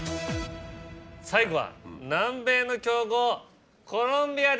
最後は南米の強豪コロンビアです。